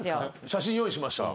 写真用意しました。